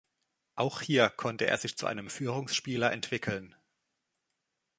Auch hier konnte er sich zu einem Führungsspieler entwickeln.